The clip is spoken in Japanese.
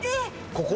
ここ？